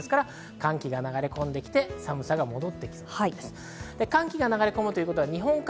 寒気が流れ込んできて、寒さが戻ってきそうです。